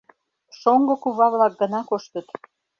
Шоҥго кува-влак гына коштыт.